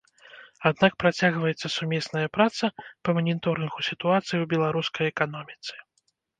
Аднак працягваецца сумесная праца па маніторынгу сітуацыі ў беларускай эканоміцы.